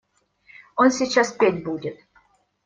Он сейчас петь будет.